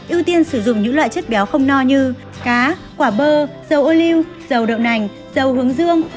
ưu tiên sử dụng những loại chất béo không no như cá quả bơ dầu ô lưu dầu đậu nành dầu hướng dương